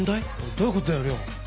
どういうことだよＲＹＯ。